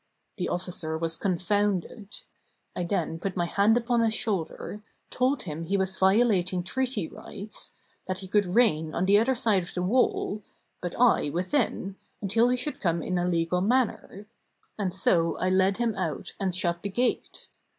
The officer was confounded. I then put my 570 PROTESTANT BREAD hand upon his shoulder, told him he was violating treaty rights, that he could reign on the other side of the wall, but I, within, until he should come in a legal manner; and so I led him out and shut the gate.